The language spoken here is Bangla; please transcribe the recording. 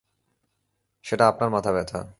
সেটা আপনার মাথা ব্যাথা।